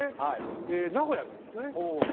え名古屋なんですね？